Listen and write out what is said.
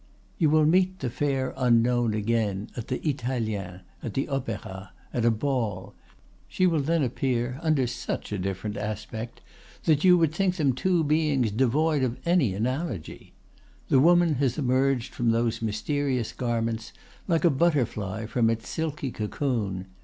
"You will meet the fair Unknown again at the Italiens, at the Opéra, at a ball. She will then appear under such a different aspect that you would think them two beings devoid of any analogy. The woman has emerged from those mysterious garments like a butterfly from its silky cocoon.